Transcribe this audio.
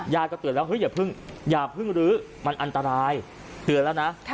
ญาติก็เตือนแล้วอย่าเพิ่งรื้อมันอันตรายเตือนแล้วนะ